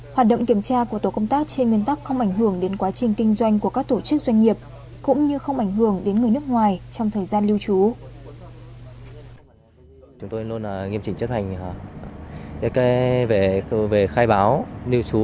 hoạt động kiểm tra của tổ công tác trên nguyên tắc không ảnh hưởng đến quá trình kinh doanh của các tổ chức doanh nghiệp cũng như không ảnh hưởng đến người nước ngoài trong thời gian lưu trú